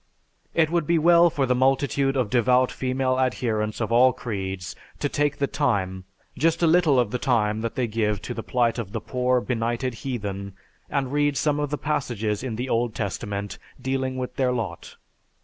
It would be well for the multitude of devout female adherents of all creeds to take the time, just a little of the time they give to the plight of the poor, benighted heathen and read some of the passages in the Old Testament dealing with their lot.